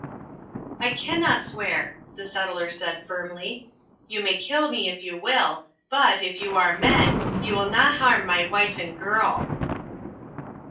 "I canna swear," the settler said firmly. "You may kill me if you will, but, if you are men, you will nae harm my wife and girl."